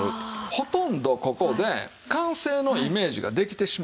ほとんどここで完成のイメージができてしまう。